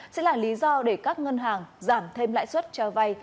sẽ là lý do để các ngân hàng giảm thêm lãi suất cho vay